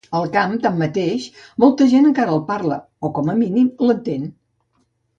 Al camp, tanmateix, molta gent encara el parla o, com a mínim, l'entén.